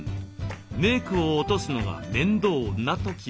メークを落とすのが面倒な時は？